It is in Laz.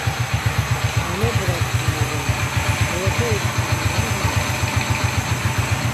Manebraçkimi reni, qoroperi çkimi reni va miçkin.